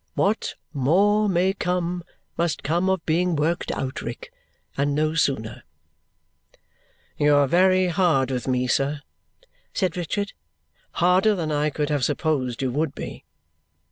What more may come must come of being worked out, Rick, and no sooner." "You are very hard with me, sir," said Richard. "Harder than I could have supposed you would be."